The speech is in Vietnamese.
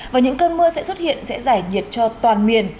và những cơn mưa sẽ xuất hiện sẽ giải nhiệt cho toàn miền